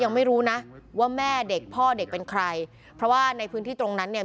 ยังไม่รู้นะว่าแม่เด็กพ่อเด็กเป็นใครเพราะว่าในพื้นที่ตรงนั้นเนี่ย